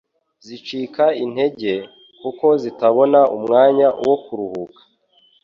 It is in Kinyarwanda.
zicika intege, kuko zitabona umwanya wo kuruhuka.